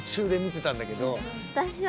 私は。